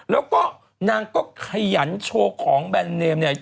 แล้วก็นางก็ขยันโชว์ของแบรนดเนมเนี่ย